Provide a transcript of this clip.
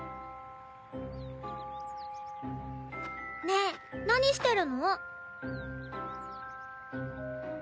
ねえ何してるの？